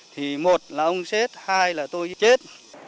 thì một là ông chết hai là tôi chết